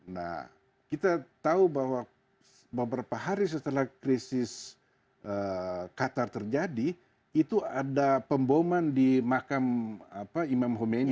nah kita tahu bahwa beberapa hari setelah krisis qatar terjadi itu ada pemboman di makam imam home ini